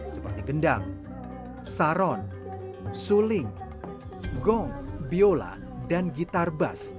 seperti gendang saron suling gong biola dan gitar bas